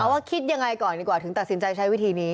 ว่าคิดยังไงก่อนดีกว่าถึงตัดสินใจใช้วิธีนี้